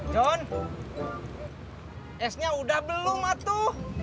john esnya udah belum atuh